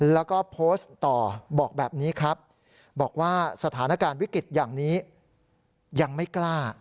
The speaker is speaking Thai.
แล้วก็โพสต์ต่อบอกแบบนี้ครับบอกว่าสถานการณ์วิกฤตอย่างนี้ยังไม่กล้า